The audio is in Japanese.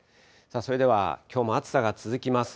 それではきょうも暑さが続きます。